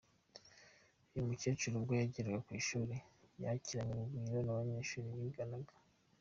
Uyu mukecuru ubwo yageraga ku ishuri yakiranyweurugwiro n’abanyeshuri biganaga.